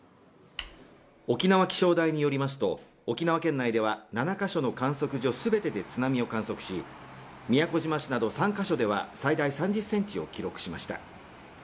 沖縄気象台によりますと沖縄県内では７カ所の観測所全てで津波を観測し宮古島市など３カ所では最大３０ｃｍを記録しました。